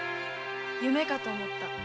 夢かと思った。